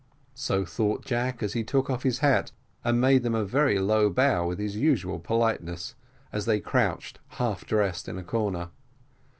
So thought Jack, as he took off his hat, and made them a very low bow with his usual politeness, as they crouched, half dressed, in a corner.